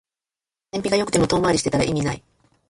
燃費が良くても遠回りしてたら意味ない